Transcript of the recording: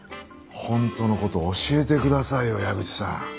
本当の事を教えてくださいよ矢口さん。